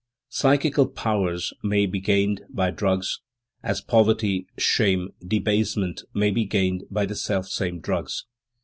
Psychical powers may be gained by drugs, as poverty, shame, debasement may be gained by the self same drugs.